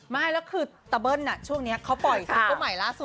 ไม่แล้วคือตะเบิ้ลช่วงนี้เขาปล่อยซิงเกิ้ลใหม่ล่าสุด